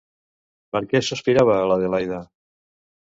Per què sospirava l'Adelaida?